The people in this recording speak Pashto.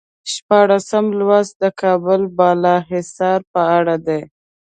شپاړسم لوست د کابل بالا حصار په اړه دی.